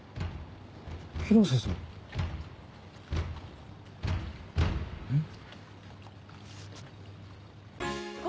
広瀬さん？